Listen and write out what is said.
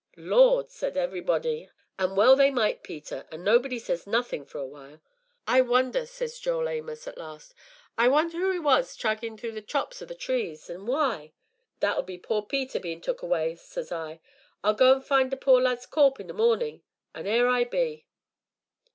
'Lord!' says everybody, an' well they might, Peter, an' nobody says nothin' for a while. 'I wonder,' says Joel Amos at last, 'I wonder who 'e was a draggin' through the tops o' the trees an' why?' 'That'll be poor Peter bein' took away,' says I, 'I'll go an' find the poor lad's corp' in the mornin' an' 'ere I be."